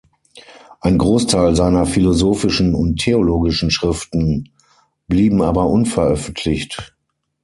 Ein Großteil seiner philosophischen und theologischen Schriften blieben aber unveröffentlicht.